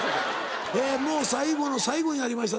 もう最後の最後になりました